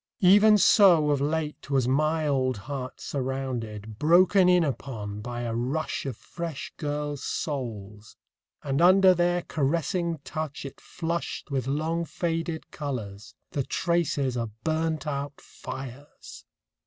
Even so of late was my old heart surrounded, broken in upon by a rush of fresh girls' souls ... and under their caressing touch it flushed with long faded colours, the traces of burnt out fires